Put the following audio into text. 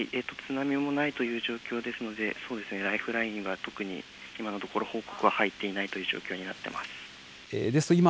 津波もないという状況ですので、ライフラインは特に、今のところ、報告は入っていないという状況になっています。